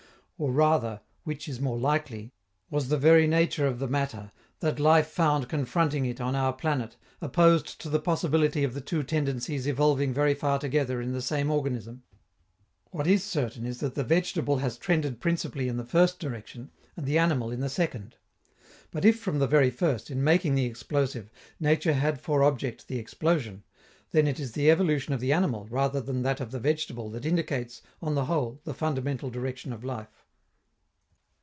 Or rather, which is more likely, was the very nature of the matter, that life found confronting it on our planet, opposed to the possibility of the two tendencies evolving very far together in the same organism? What is certain is that the vegetable has trended principally in the first direction and the animal in the second. But if, from the very first, in making the explosive, nature had for object the explosion, then it is the evolution of the animal, rather than that of the vegetable, that indicates, on the whole, the fundamental direction of life.